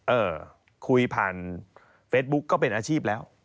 เออคุยผ่านเฟซบุ๊กก็เป็นอาชีพแล้ว